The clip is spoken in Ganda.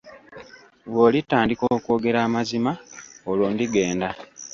Bw'olitandika okwogera amazima olwo ndigenda.